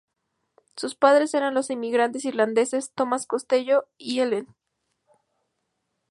Sus padres eran los inmigrantes irlandeses Thomas Costello y Ellen Fitzgerald.